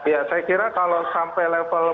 ya saya kira kalau sampai level empat ribu ya